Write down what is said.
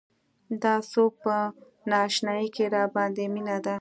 دا څوک په نا اشنايۍ کې راباندې مينه ده.